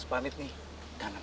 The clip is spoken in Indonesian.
banget ya om